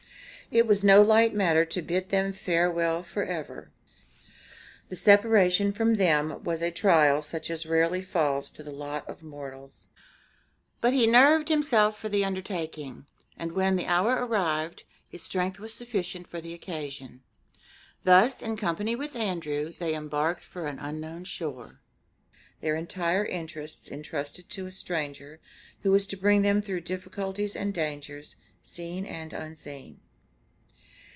It was no light matter to bid them farewell forever. The separation from them was a trial such as rarely falls to the lot of mortals; but he nerved himself for the undertaking, and when the hour arrived his strength was sufficient for the occasion. Thus in company with Andrew they embarked for an unknown shore, their entire interests entrusted to a stranger who was to bring them through difficulties and dangers seen and unseen.